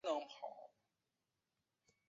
刘秀峰幼年在完县中心高等小学学习。